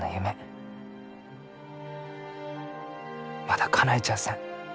まだかなえちゃあせん。